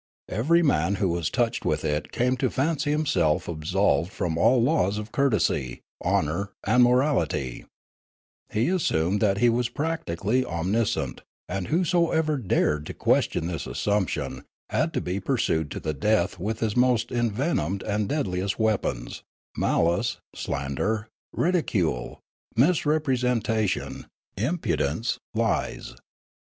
Every man who was touched with it came to fancy himself absolved from all laws of courtesy, honour, and morality; he assumed that he was practic ally omniscient, and whosoever dared to question this assumption had to be pursued to the death with his most envenomed and deadliest weapons, malice, slan der, ridicule, misrepresentation, impudence, lies.